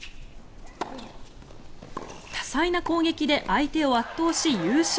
多彩な攻撃で相手を圧倒し優勝。